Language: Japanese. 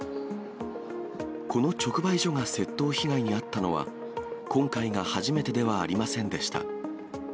この直売所が窃盗被害に遭ったのは、今回が初めてではありませんでした。